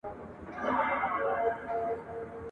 نه تر څنډی د کوهي سوای ورختلای ..